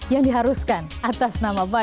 yang diharuskan atas nama baik